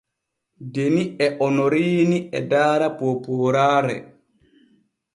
Deni e Onoriini e daara poopooraare.